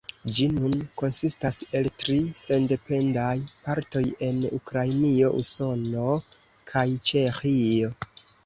Ĝi nun konsistas el tri sendependaj partoj en Ukrainio, Usono kaj Ĉeĥio.